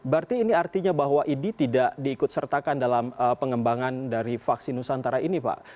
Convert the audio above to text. berarti ini artinya bahwa idi tidak diikut sertakan dalam pengembangan dari vaksin nusantara ini pak